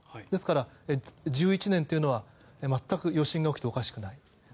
ですから１１年というのは余震が起きてもおかしくない。